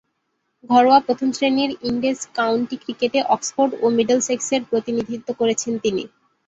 ঘরোয়া প্রথম-শ্রেণীর ইংরেজ কাউন্টি ক্রিকেটে অক্সফোর্ড ও মিডলসেক্সের প্রতিনিধিত্ব করেছেন তিনি।